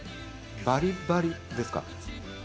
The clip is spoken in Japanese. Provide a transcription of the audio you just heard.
「バリバリ」ですか？